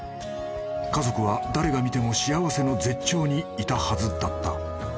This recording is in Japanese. ［家族は誰が見ても幸せの絶頂にいたはずだった］